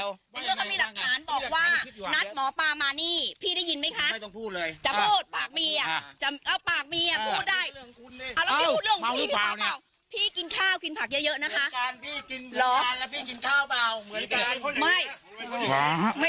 เอ้าเมาหรือเปล่าเนี่ยพี่กินข้าวกินผักเยอะนะคะ